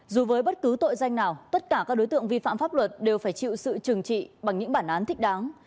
dù với bất cứ tội danh nào tất cả các đối tượng vi phạm pháp luật đều phải chịu sự trừng trị bằng những bản án thích đáng